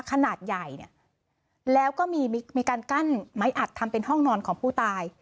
ขนาดใหญ่เนี่ยแล้วก็มีการกั้นไม้อัดทำเป็นห้องนอนของผู้ตาย